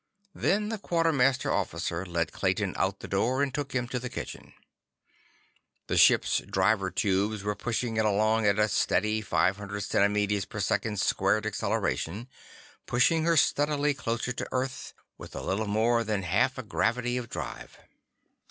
Then the quartermaster officer led Clayton out the door and took him to the kitchen. The ship's driver tubes were pushing it along at a steady five hundred centimeters per second squared acceleration, pushing her steadily closer to Earth with a little more than half a gravity of drive.